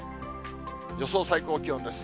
予想最高気温です。